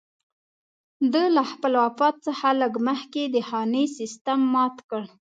ده له خپل وفات څخه لږ مخکې د خاني سېسټم مات کړ.